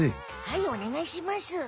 はいおねがいします。